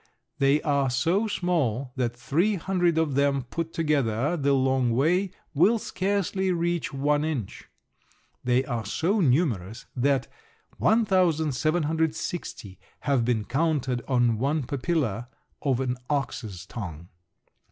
They are so small that three hundred of them put together the long way will scarcely reach one inch. They are so numerous that 1,760 have been counted on one papilla of an ox's tongue.